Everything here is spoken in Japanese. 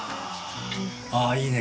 ああいいね